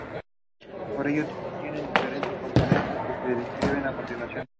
Por ello, tiene diferentes componentes, que se describen a continuación.